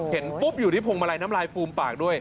เห็นปุ๊บอยู่ที่พวงมาลัยน้ำลายฟูมปากด้วย